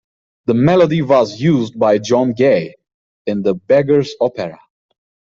The melody was used by John Gay in "The Beggar's Opera".